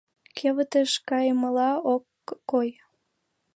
Кевытыш кайымыла ок кой.